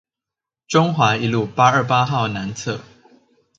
中華一路八二八號南側